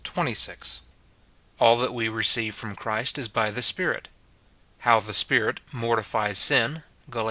20 — All that we receive from Christ is by the Spirit — How the Spirit mortifies sin — Gal.